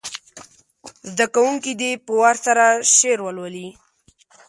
زده کوونکي دې په وار سره شعر ولولي.